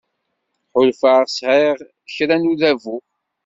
Ḥulfaɣ sεiɣ kra n udabu.